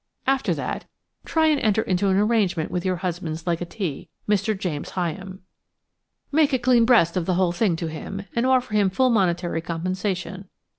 After that try and enter into an arrangement with your husband's legatee, Mr. James Hyam. Make a clean breast of the whole thing to him and offer him full monetary compensation.